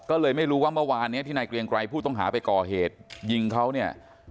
ก็เลยไม่รู้ว่าเมื่อวานเนี้ยที่นายเกรียงไกรผู้ต้องหาไปก่อเหตุยิงเขาเนี่ย